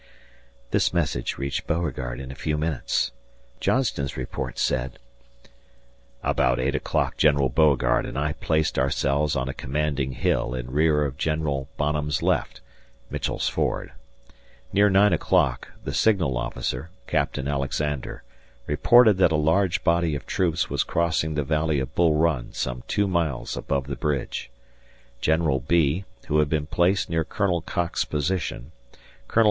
This message reached Beauregard in a few minutes. Johnston's report said: About 8 o'clock General Beauregard and I placed ourselves on a commanding hill in rear of Gen Bonham's left (Mitchell's Ford). Near nine o'clock the signal officer, Captain Alexander, reported that a large body of troops was crossing the Valley of Bull Run some two miles above the bridge. General Bee, who had been placed near Col. Cocke's position, Col.